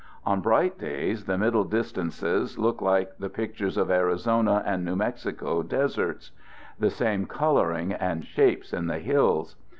On bright days the middle distances look like the pictures of Arizona and New Mexico des erts; the same coloring and shapes in the hills.